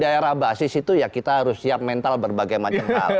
daerah basis itu ya kita harus siap mental berbagai macam hal